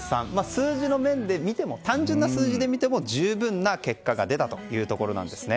数字の面で見ても単純な数字で見ても十分な結果が出たところなんですね。